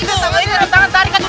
ini dalam tangan tarikan dek